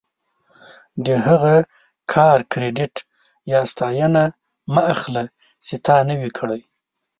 د هغه کار کریډیټ یا ستاینه مه اخله چې تا نه وي کړی.